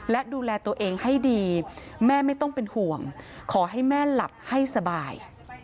และดูแลตัวเองให้ดีแม่ไม่ต้องเป็นห่วงขอให้แม่หลับให้สบาย